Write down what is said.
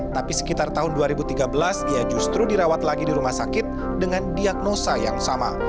tapi sekitar tahun dua ribu tiga belas ia justru dirawat lagi di rumah sakit dengan diagnosa yang sama